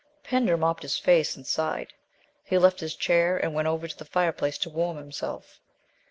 Pender mopped his face and sighed. He left his chair and went over to the fireplace to warm himself.